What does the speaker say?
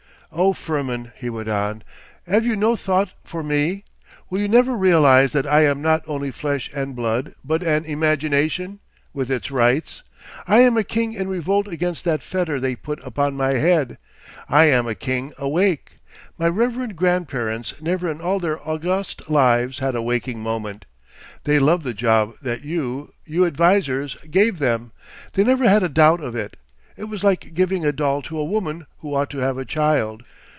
'Oh, Firmin,' he went on, 'have you no thought for me? Will you never realise that I am not only flesh and blood but an imagination—with its rights. I am a king in revolt against that fetter they put upon my head. I am a king awake. My reverend grandparents never in all their august lives had a waking moment. They loved the job that you, you advisers, gave them; they never had a doubt of it. It was like giving a doll to a woman who ought to have a child.